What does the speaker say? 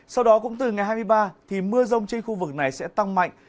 sau đó cũng từ ngày hai mươi ba thì mưa rông trên khu vực này sẽ tăng mạnh